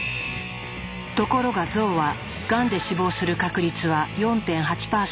ところがゾウはがんで死亡する確率は４．８％。